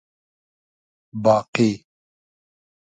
باقی